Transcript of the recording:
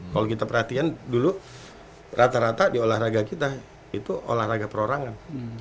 kalau kita perhatikan dulu rata rata di olahraga kita itu olahraga perorangan